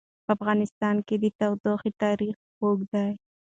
په افغانستان کې د تودوخه تاریخ اوږد دی.